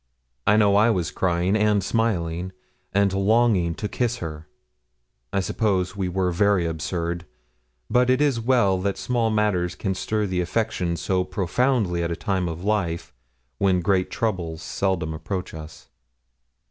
I know I was crying and smiling, and longing to kiss her. I suppose we were very absurd; but it is well that small matters can stir the affections so profoundly at a time of life when great troubles seldom approach us.